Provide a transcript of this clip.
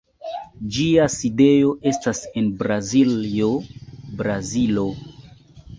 Ĝia sidejo estas en Braziljo, Brazilo.